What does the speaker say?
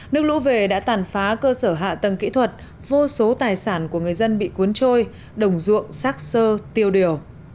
nước lũ về đã tàn phá cơ sở hạ tầng kỹ thuật vô số tài sản của người dân bị cuốn trôi đồng ruộng xác sơ tiêu điều